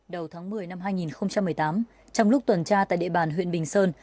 đầu tháng một mươi năm hai nghìn một mươi tám trong lúc tuần tra tại địa bàn huyện bình sơn